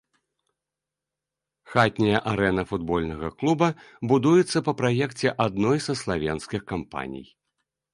Хатняя арэна футбольнага клуба будуецца па праекце адной са славенскіх кампаній.